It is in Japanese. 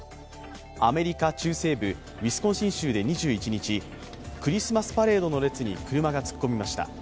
アメリカ中西部ウィスコンシン州で２１日、クリスマスパレードの列に車が突っ込みました。